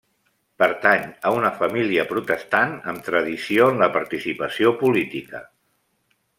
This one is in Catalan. Pertany a una família protestant amb tradició en la participació política.